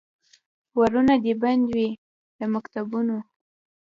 ورونه دي بند وي د مکتبونو